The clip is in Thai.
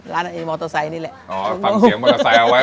ไอ้มอเตอร์ไซค์นี่แหละอ๋อฟังเสียงมอเตอร์ไซค์เอาไว้